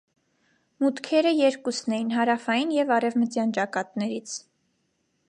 Մուտքերը երկուսն էին՝ հարավային և արևմտյան ճակատներից։